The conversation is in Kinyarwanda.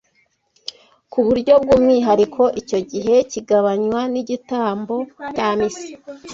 ku buryo bw’umwihariko icyo gihe kigabanywa n’igitambo cya misa